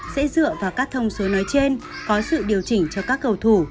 sẽ dựa vào các thông số nói trên có sự điều chỉnh cho các cầu thủ